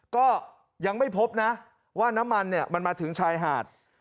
ก็ยังไม่พบนะว่าน้ำมันเนี่ยมันมาถึงชายหาด